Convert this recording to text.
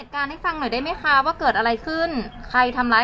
พลังให้สัง่วยได้ไหมคะเพราะแครดอะไรขึ้นใครทำร้าย